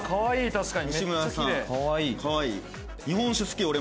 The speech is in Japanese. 確かに。